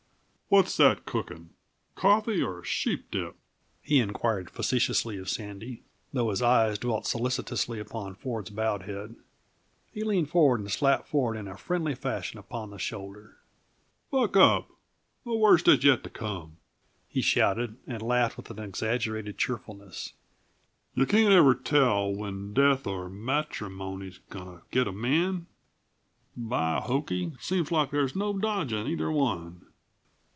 "What's that cookin' coffee, or sheep dip?" he inquired facetiously of Sandy, though his eyes dwelt solicitously upon Ford's bowed head. He leaned forward and slapped Ford in friendly fashion upon the shoulder. "Buck up 'the worst is yet to come,'" he shouted, and laughed with an exaggeration of cheerfulness. "You can't ever tell when death or matrimony's goin' to get a man. By hokey, seems like there's no dodgin' either one."